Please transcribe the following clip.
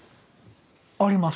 あります。